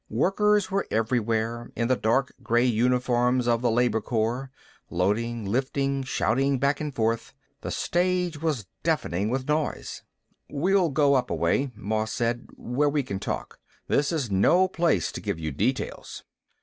Workers were everywhere, in the dark gray uniforms of the labor corps, loading, lifting, shouting back and forth. The stage was deafening with noise. "We'll go up a way," Moss said, "where we can talk. This is no place to give you details."